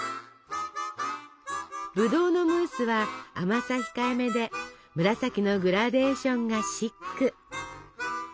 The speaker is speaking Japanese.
ぶどうのムースは甘さ控えめで紫のグラデーションがシック。